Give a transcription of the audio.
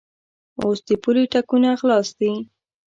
اوس د پولې ټکونه خلاص دي.